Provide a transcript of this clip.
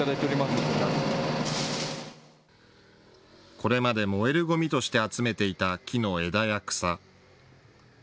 これまで燃えるゴミとして集めていた木の枝や草。